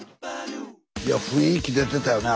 いや雰囲気出てたよね